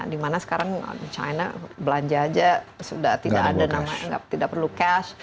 dimana sekarang di china belanja saja sudah tidak ada nama tidak perlu cash